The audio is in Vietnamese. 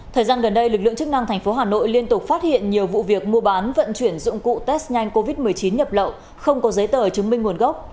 thời gian gần đây lực lượng chức năng thành phố hà nội liên tục phát hiện nhiều vụ việc mua bán vận chuyển dụng cụ test nhanh covid một mươi chín nhập lậu không có giấy tờ chứng minh nguồn gốc